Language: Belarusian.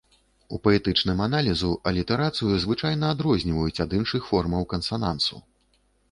У паэтычным аналізу алітэрацыю звычайна адрозніваюць ад іншых формаў кансанансу.